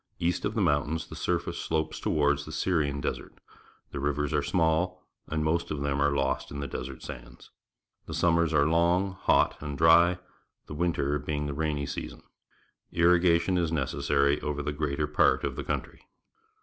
East of the mountains the surface slopes toward the Syrian Desert. The rivers are small, and most of them are lost in the des ert sands. The summers are long, hot, and dry, the winter being the rainy season. Ir rigation is necessary over the greater part of the country.